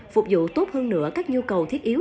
phục vụ tốt hơn nữa các nhu cầu thiết yếu